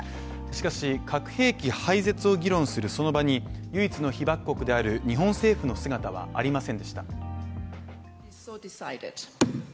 しかし、核兵器廃絶を議論するその場に唯一の被爆国である日本政府の姿はありませんでした。